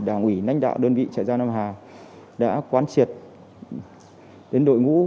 đảng ủy nánh đạo đơn vị trại giao nam hà đã quán triệt đến đội ngũ